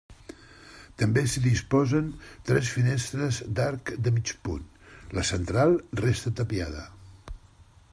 També s'hi disposen tres finestres d'arc de mig punt, la central resta tapiada.